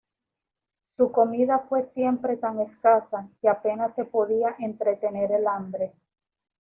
Su comida fue siempre tan escasa, que apenas se podía entretener el hambre.